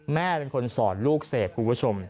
แม่เป็นคนสอนลูกเสพคุณผู้ชม